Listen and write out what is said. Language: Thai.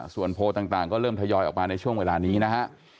ส่วนโพลต่างก็เริ่มทยอยออกมาในช่วงเวลานี้นะฮะ